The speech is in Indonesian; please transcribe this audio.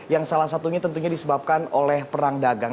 yang salah satunya tentunya disebabkan oleh perang dagang